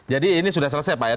jadi ini sudah selesai pak ya